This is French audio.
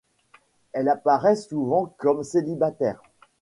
Elle apparaît souvent comme célibataire.